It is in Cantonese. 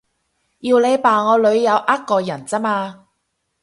要你扮我女友呃個人咋嘛